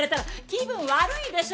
気分悪いですか？